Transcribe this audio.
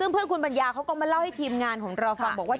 เพื่อนคุณปัญญาเขาก็มาเล่าให้ทีมงานของเราฟังบอกว่า